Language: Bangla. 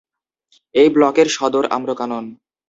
এই ব্লকের সদর আম্রকানন।